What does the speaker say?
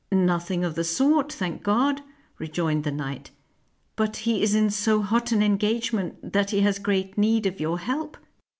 "Nothing of the sort, thank God," rejoined the knight; "but he is in so hot an en gagement that he has great need of your help."